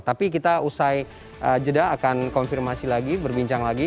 tapi kita usai jeda akan konfirmasi lagi berbincang lagi